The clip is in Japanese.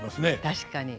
確かに。